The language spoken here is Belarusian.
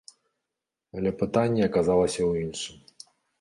Але пытанне аказалася ў іншым.